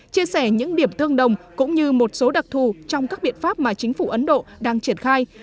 chia sẻ những điểm tương đồng cũng như một số đặc thù trong các biện pháp mà chính phủ ấn độ đang triển khai